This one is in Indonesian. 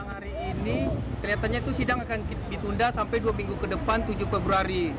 hari ini kelihatannya itu sidang akan ditunda sampai dua minggu ke depan tujuh februari